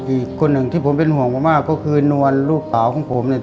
อีกคนหนึ่งที่ผมเป็นห่วงมากก็คือนวลลูกสาวของผมเนี่ย